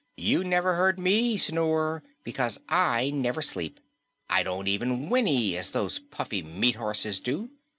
"You never hear me snore, because I never sleep. I don't even whinny as those puffy meat horses do.